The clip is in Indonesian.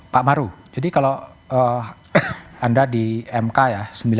pak maru jadi kalau anda di mk ya